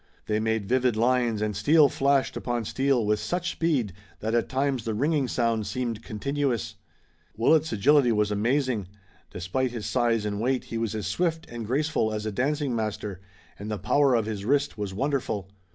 They made vivid lines, and steel flashed upon steel with such speed that at times the ringing sound seemed continuous. Willet's agility was amazing. Despite his size and weight he was as swift and graceful as a dancing master, and the power of his wrist was wonderful.